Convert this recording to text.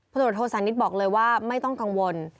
พศนิษย์บอกเลยว่าไม่ต้องกังวล